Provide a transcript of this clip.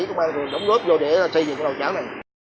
cũng đã đóng góp vô để xây dựng cái nồi cháo này